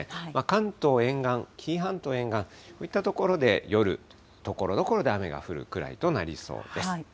関東沿岸、紀伊半島沿岸、こういった所で夜ところどころで雨が降るくらいとなりそうです。